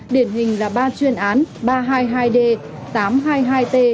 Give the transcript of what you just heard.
điển hình là ba chuyên án ba trăm hai mươi hai d tám trăm hai mươi hai t chín trăm hai mươi hai t